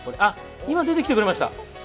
今出てきてくれました。